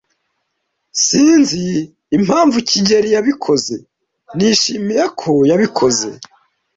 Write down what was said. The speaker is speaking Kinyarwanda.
Sinzi impamvu kigeli yabikoze. Nishimiye ko yabikoze.